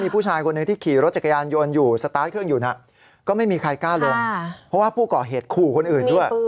เพราะว่าผู้ก่อเหตุขู่คนอื่นด้วย